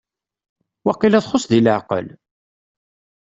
Waqila txuṣ deg leɛqel?